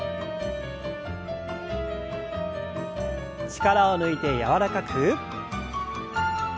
力を抜いて柔らかく。